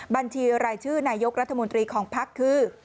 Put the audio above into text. บัญชีรายชื่อนายกรัฐมนตรีของภักดิ์คือ